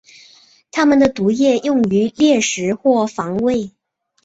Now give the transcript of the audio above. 它们的毒液用于猎食或防卫。